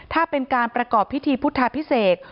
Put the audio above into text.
ถ้าเป็นการประกอบพิธีพุทธพิเศษ